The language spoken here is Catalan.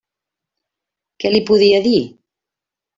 Què li podia dir?